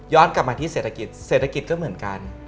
กลับมาที่เศรษฐกิจเศรษฐกิจก็เหมือนกัน